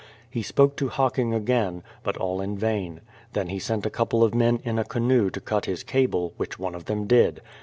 He spoke to Hocking again, but all in vain; then he sent a couple of men in a canoe to cut his cable, which one of them did.